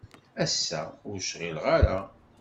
Ass-a, ur cɣileɣ ara.